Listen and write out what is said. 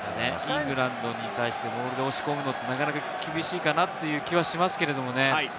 イングランドに対して、モールで押し込むのってなかなか厳しいかなという気もしますけどね。